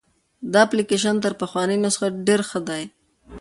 دا اپلیکیشن تر پخواني نسخه ډېر ښه دی.